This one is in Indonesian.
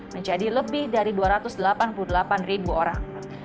menjadi lebih dari dua ratus delapan puluh delapan ribu orang